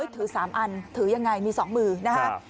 ถือ๓อันถือยังไงมี๒มือนะครับ